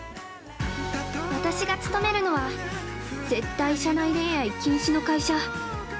◆私が勤めるのは、絶対社内恋愛禁止の会社。